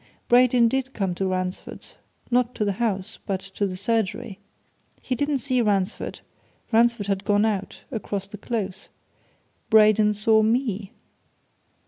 Braden did come to Ransford's not to the house, but to the surgery. He didn't see Ransford Ransford had gone out, across the Close. Braden saw me!"